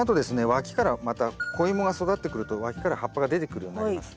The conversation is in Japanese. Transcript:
わきからまた子イモが育ってくるとわきから葉っぱが出てくるようになります。